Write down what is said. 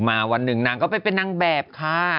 นางก็ไปเป็นนางแบบค่ะ